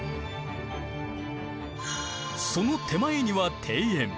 その手前には庭園。